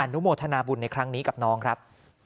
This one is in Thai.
นุโมทนาบุญในครั้งนี้กับน้องครับ